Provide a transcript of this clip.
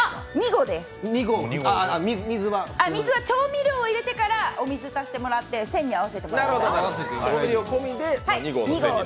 ２合です、水は調味料を入れてからお水足してもらって線に合わせてもらって。